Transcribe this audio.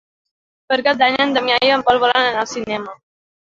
Per Cap d'Any en Damià i en Pol volen anar al cinema.